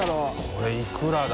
これいくらだ？